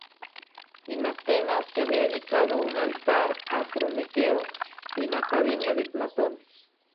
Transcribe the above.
En Atenas, se había dedicado un altar a Prometeo en la Academia de Platón.